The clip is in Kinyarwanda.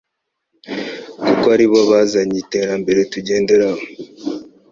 kuko aribo bazanye iterambere tujyenderaho